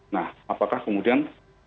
nah apakah kemudian